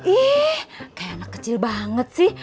ih kayak anak kecil banget sih